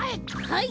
はい！